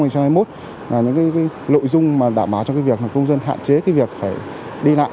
là những cái lội dung mà đảm bảo cho cái việc là công dân hạn chế cái việc phải đi lại